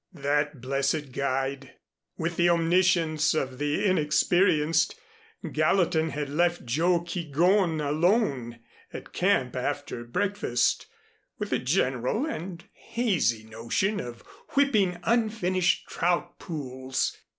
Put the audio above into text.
That blessed guide! With the omniscience of the inexperienced, Gallatin had left Joe Keegón alone at camp after breakfast, with a general and hazy notion of whipping unfished trout pools.